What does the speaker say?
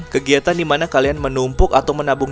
kegiatan di mana kalian menumpuk atau menabung